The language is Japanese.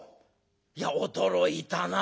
いや驚いたな。